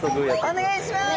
お願いします。